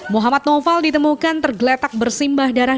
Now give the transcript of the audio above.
muhammad noval ditemukan tergeletak bersimbah darah